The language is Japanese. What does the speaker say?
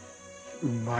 うまい。